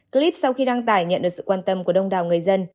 clip sau khi đăng tải nhận được sự quan tâm của đông đảo người dân